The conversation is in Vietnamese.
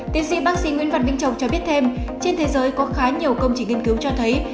tiến sĩ bác sĩ nguyễn văn minh châu cho biết thêm trên thế giới có khá nhiều công trình nghiên cứu cho thấy